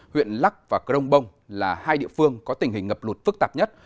huyện lắc và crong bông là hai địa phương có tình hình ngập lụt phức tạp nhất